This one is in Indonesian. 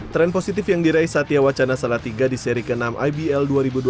tren positif yang diraih satya wacana salatiga di seri ke enam ibl dua ribu dua puluh